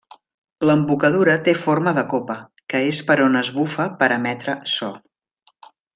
L'embocadura té forma de copa, que és per on es bufa per emetre so.